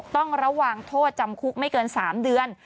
ต้องระวังโทษจำคุกไม่เกิน๓เดือน